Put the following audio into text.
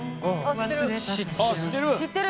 知ってる！？